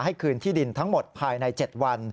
คืนที่ดินทั้งหมดภายใน๗วัน